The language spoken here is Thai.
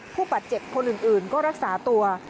ผู้บาดเจ็บคนอื่นก็รักษาตัว